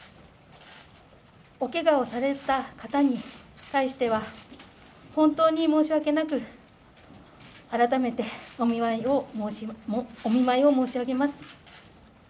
おけがをされた方に対しては本当に申し訳なく、改めてお見舞いを申し上げます。